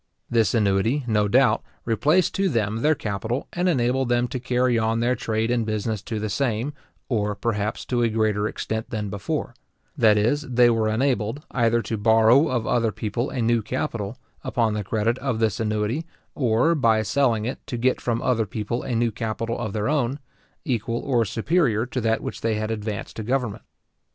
This annuity, no doubt, replaced to them their capital, and enabled them to carry on their trade and business to the same, or, perhaps, to a greater extent than before; that is, they were enabled, either to borrow of other people a new capital, upon the credit of this annuity or, by selling it, to get from other people a new capital of their own, equal, or superior, to that which they had advanced to government.